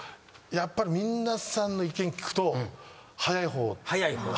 やっぱり皆さんの意見聞くと。